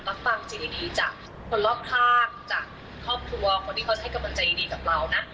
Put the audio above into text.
รับฟังสิ่งดีจากคนรอบข้างจากครอบครัวคนที่เขาให้กำลังใจดีกับเรานะ